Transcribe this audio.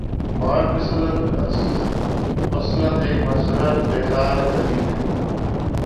Marxism اصلا ایک مذہب بیزار تحریک ہے۔